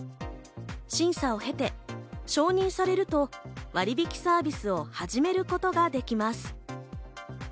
審査を経て、承認されると割引サービスを始めることができます。